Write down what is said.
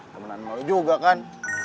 temenan sama lo juga kan